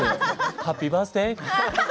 ハッピーバースデー。